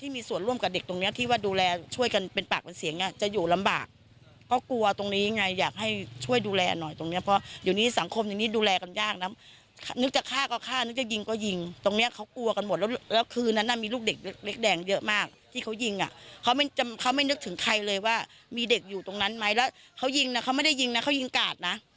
มีเด็กอยู่ตรงนั้นไหมแล้วเขายิงนะเขาไม่ได้ยิงนะเขายิงกาดนะ